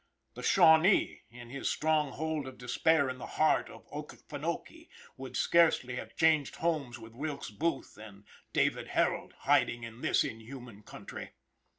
The Shawnee, in his strong hold of despair in the heart of Okeefeuokee, would scarcely have changed homes with Wilkes Booth and David Harold, hiding in this inhuman country.